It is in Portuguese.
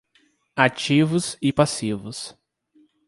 Ativos e passivos